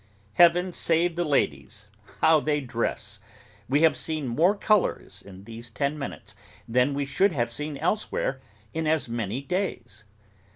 Heaven save the ladies, how they dress! We have seen more colours in these ten minutes, than we should have seen elsewhere, in as many days.